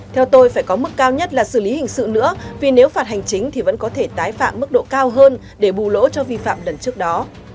theo tôi phải có mức cao nhất là xử lý hình sự nữa vì nếu phạt hành chính thì vẫn có thể tái phạm mức độ cao hơn để bù lỗ cho vi phạm lần trước đó